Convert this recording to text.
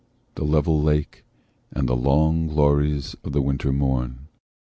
the level lake, And the long glories of the winter moon.